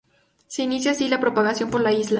Se inicia así la propagación por la isla.